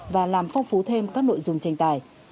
và làm phong phú thêm các nội dung tranh tài